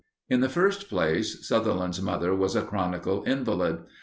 In the first place, Sutherland's mother was a chronical invalid.